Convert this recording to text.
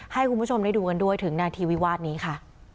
ให้คุณผู้ชมได้ดูกันด้วยถึงนาทีวิวาสนี้ค่ะ